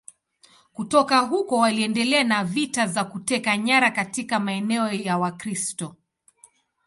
Kutoka huko waliendelea na vita za kuteka nyara katika maeneo ya Wakristo.